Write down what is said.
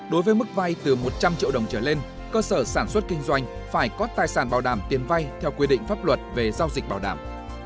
đối với mức vay từ một trăm linh triệu đồng trở lên cơ sở sản xuất kinh doanh phải có tài sản bảo đảm tiền vay theo quy định pháp luật về giao dịch bảo đảm